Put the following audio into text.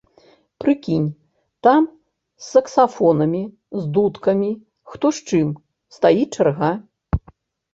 Прыкінь, там, з саксафонамі, з дудкамі, хто з чым, стаіць чарга!